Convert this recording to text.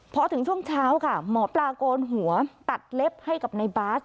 พอถึงช่วงเช้าหมอปลากรณ์หัวตัดเล็บให้กับนายบ๊าส